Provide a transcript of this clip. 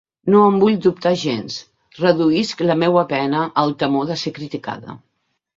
No en vull dubtar gens; reduïsc la meua pena al temor de ser criticada.